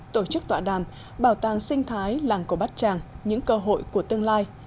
tổ chức tọa đàm bảo tàng sinh thái làng của bát tràng những cơ hội của tương lai